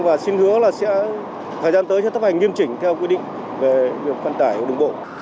và xin hứa là sẽ thời gian tới sẽ tập hành nghiêm chỉnh theo quy định về vận tải đồng bộ